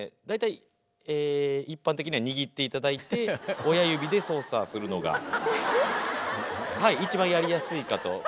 大体一般的には握っていただいて親指で操作するのがはいいちばんやりやすいかと。